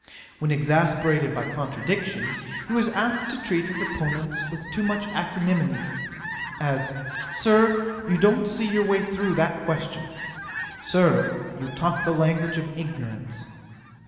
'When exasperated by contradiction, he was apt to treat his opponents with too much acrimony: as, "Sir, you don't see your way through that question:" "Sir, you talk the language of ignorance."